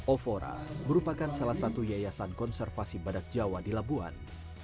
ovora merupakan salah satu yayasan konservasi badak jawa di labuan